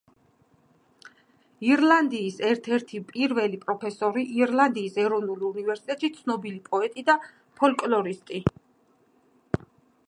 ირლანდიური ენის ერთ-ერთი პირველი პროფესორი ირლანდიის ეროვნულ უნივერსიტეტში, ცნობილი პოეტი და ფოლკლორისტი.